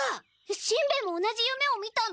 しんべヱも同じ夢を見たの？